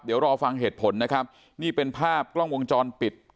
เดี๋ยวรอฟังเหตุผลนะครับนี่เป็นภาพกล้องวงจรปิด